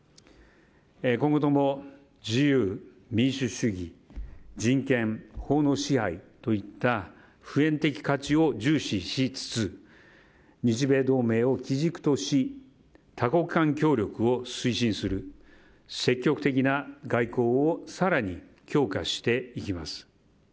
今後とも自由、民主主義人権、法の支配といった普遍的価値を重視しつつ日米同盟を基軸とし多国間協力を推進する積極的な外交を更に強化していきます。